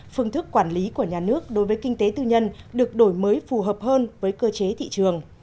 phương thức quản lý của nhà nước đối với kinh tế tư nhân được đổi mới phù hợp hơn với cơ chế thị trường